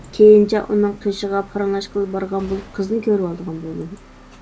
كېيىنچە ئۇنىڭ قېشىغا پاراڭلاشقىلى بارغان بولۇپ قىزنى كۆرۈۋالىدىغان بولدۇم.